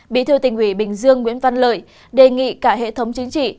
bí thư tỉnh ủy bình dương nguyễn văn lợi đề nghị cả hệ thống chính trị